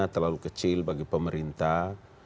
terlalu kecil bagi pemerintah